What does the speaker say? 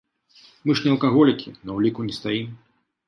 Мы ж не алкаголікі, на ўліку не стаім.